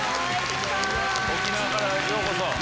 沖縄からようこそ！